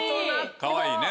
かわいいね。